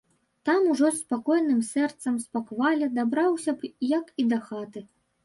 Там ужо з спакойным сэрцам спакваля дабраўся б як і дахаты.